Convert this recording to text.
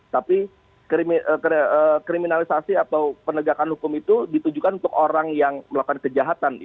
tapi kriminalisasi atau penegakan hukum itu ditujukan untuk orang yang melakukan kejahatan